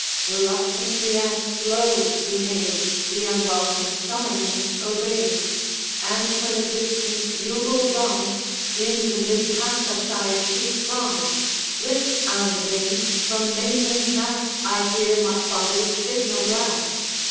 Reluctantly and slow, the maid The unwelcome summoning obeyed, And when a distant bugle rung, In the mid path aside she sprung: 'List, Allan bane! From mainland cast I hear my father's signal blast.